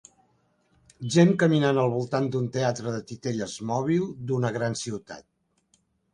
Gent caminant al voltant d'un teatre de titelles mòbil d'una gran ciutat.